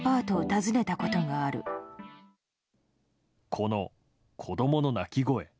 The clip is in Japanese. この子供の泣き声。